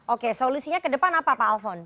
oke solusinya ke depan apa pak alphon